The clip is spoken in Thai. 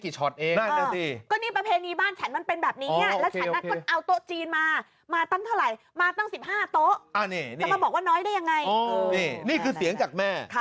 นี่นี่นี่นี่นี่นี่